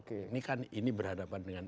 ini kan ini berhadapan dengan